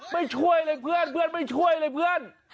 ไม่ช่วยเลยเพื่อนเพื่อนไม่ช่วยเลยเพื่อน